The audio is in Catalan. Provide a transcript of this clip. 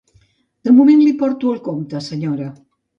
De moment li porto el compte, senyora.